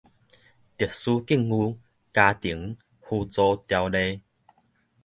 特殊境遇家庭扶助條例